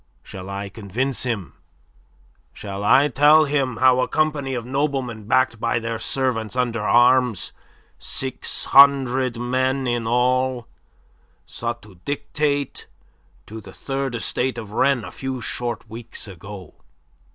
Shall I convince him? Shall I tell him how a company of noblemen backed by their servants under arms six hundred men in all sought to dictate to the Third Estate of Rennes a few short weeks ago?